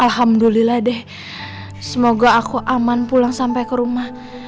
alhamdulillah deh semoga aku aman pulang sampai ke rumah